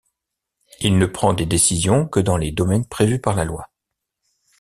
Il ne prend des décisions que dans les domaines prévus par la loi.